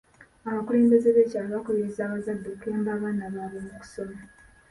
Abakulembeze b'ekyalo baakubirizza abazadde okuyamba abaana baabwe mu kusoma.